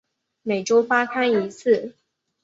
每周发刊一次。